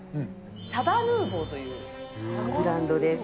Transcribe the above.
サバヌーヴォーというブランドです。